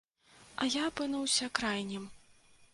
А я апынуўся крайнім.